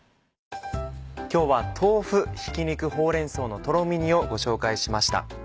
今日は「豆腐ひき肉ほうれん草のとろみ煮」をご紹介しました。